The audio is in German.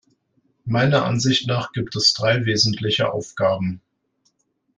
Meiner Ansicht nach gibt es drei wesentliche Aufgaben.